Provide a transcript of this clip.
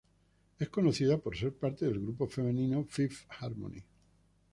Es conocida por ser parte del grupo femenino "Fifth Harmony".